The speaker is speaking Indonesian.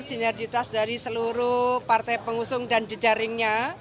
sinergitas dari seluruh partai pengusung dan jejaringnya